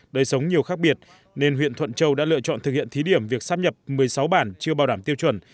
đời sống nhiều khác biệt nên huyện thuận châu đã lựa chọn thực hiện thí điểm việc sắp nhập một mươi sáu bản chưa bảo đảm tiêu chuẩn